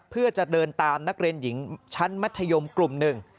เพื่อจะเดินตามนักเรียนหญิงชั้นมัธยมกลุ่มหนึ่ง